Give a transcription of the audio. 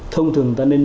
thông thường ta nên nhớ